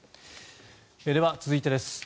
では、続いてです。